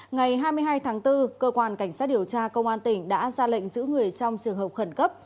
ngày hai mươi hai tháng bốn cơ quan cảnh sát điều tra công an tỉnh đã ra lệnh giữ người trong trường hợp khẩn cấp